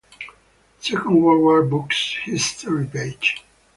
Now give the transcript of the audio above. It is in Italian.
Second World War Books: History Page